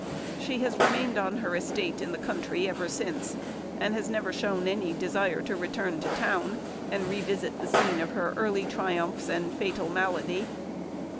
She has remained on her estate in the country ever since, and has never shown any desire to return to town, and revisit the scene of her early triumphs and fatal malady.